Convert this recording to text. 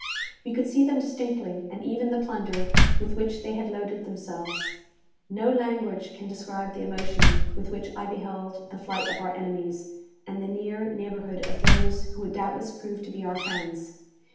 We could see them distinctly, and even the plunder with which they had loaded themselves. No language can describe the emotion with which I beheld the flight of our enemies, and the near neighbourhood of those who would doubtless prove to be our friends.